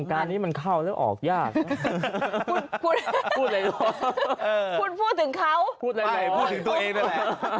วงการนี้มันเข้าแล้วออกยากพูดพูดถึงเขาพูดอะไรพูดถึงตัวเองด้วยแหละ